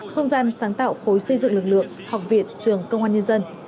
không gian sáng tạo khối xây dựng lực lượng học viện trường công an nhân dân